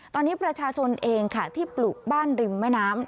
ตอนนี้ประชาชนเองค่ะที่ปลูกบ้านริมแม่น้ำ